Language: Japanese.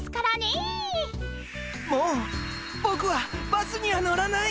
もうボクはバスには乗らない。